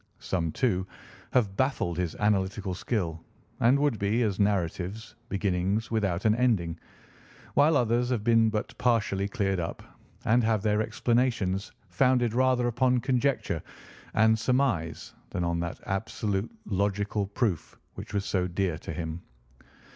Some, too, have baffled his analytical skill, and would be, as narratives, beginnings without an ending, while others have been but partially cleared up, and have their explanations founded rather upon conjecture and surmise than on that absolute logical proof which was so dear to him.